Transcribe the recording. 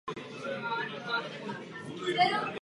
Německá přítomnost v oblasti byla minimální.